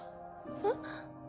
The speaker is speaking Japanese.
えっ？